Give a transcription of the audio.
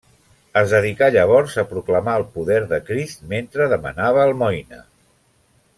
Es dedicà llavors a proclamar el poder de Crist mentre demanava almoina.